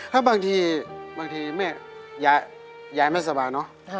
ถ้าบางทีบางทีแม่ยายไม่สบายเนอะ